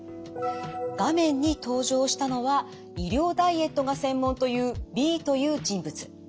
画面に登場したのは医療ダイエットが専門というＢという人物。